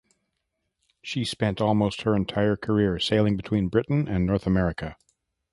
She spent almost her entire career sailing between Britain and North America.